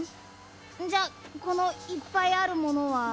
じゃあこのいっぱいあるものは。